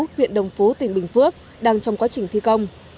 huyện đồng phú tỉnh bình phước đang trong quá trình thi công